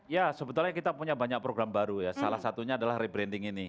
ya sebetulnya kita punya banyak program baru ya salah satunya adalah rebranding ini